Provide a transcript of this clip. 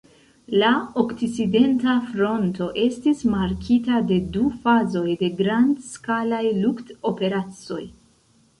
La Okcidenta Fronto estis markita de du fazoj de grand-skalaj lukt-operacoj.